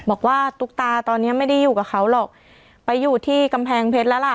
ตุ๊กตาตอนเนี้ยไม่ได้อยู่กับเขาหรอกไปอยู่ที่กำแพงเพชรแล้วล่ะ